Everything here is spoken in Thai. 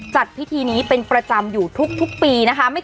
จัดพิธีนี้เป็นประจำอยู่ทุกปีนะคะ